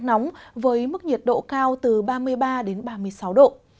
nắng nóng trên dịa rộng với mức nhiệt độ cao từ ba mươi ba ba mươi sáu độ